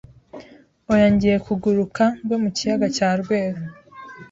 Oya ngiye kuguruka ngwe mukiyaga cya rweru